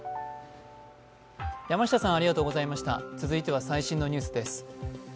続いては最新のニュースです。